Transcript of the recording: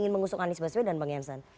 masukkan anies baswedan dan bang hansen